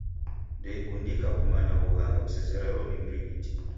Ndeikundika kunywa w'ughanga kusezerelo ni mrighiti.